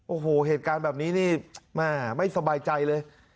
โอ้โหเหตุการณ์แบบนี้นี่แม่ไม่สบายใจเลย